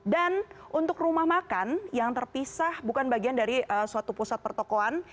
dan untuk rumah makan yang terpisah bukan bagian dari suatu pusat pertokoan